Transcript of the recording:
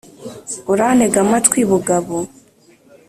urantege amatwi bugabo